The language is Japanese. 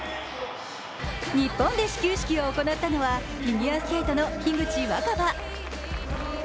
日本で始球式を行ったのはフィギュアスケートの樋口新葉。